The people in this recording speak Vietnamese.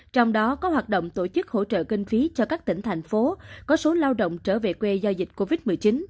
trong đó có hoạt động tổ chức hỗ trợ kinh phí cho các tỉnh thành phố có số lao động trở về quê do dịch covid một mươi chín